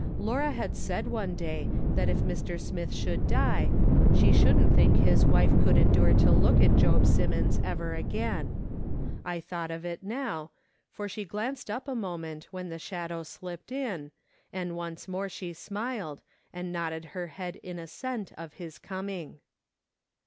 Laura had said, one day, that if Mr. Smith should die, she shouldn't think his wife could endure to look at Job Simmons ever again. I thought of it now, for she glanced up a moment when the shadow slipped in, and once more she smiled, and nodded her head in assent of his coming.